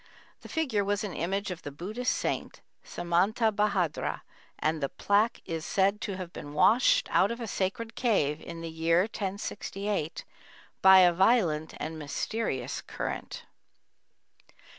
The figure was an image of the Buddhist saint, Samantabahadra, and the plaque is said to have been washed out of a sacred cave in the year 1068, by a violent and mysterious current.